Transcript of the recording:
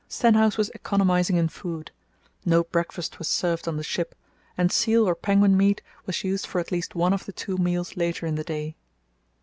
Stenhouse was economizing in food. No breakfast was served on the ship, and seal or penguin meat was used for at least one of the two meals later in the day.